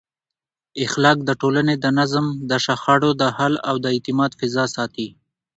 اخلاق د ټولنې د نظم، د شخړو د حل او د اعتماد فضا ساتي.